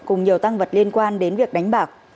cùng nhiều tăng vật liên quan đến việc đánh bạc